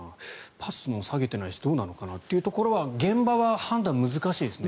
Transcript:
パスも提げていないしどうなのかなというのは現場は判断難しいですね。